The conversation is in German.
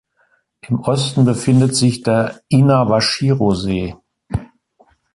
Im Osten befindet sich der Inawashiro-See.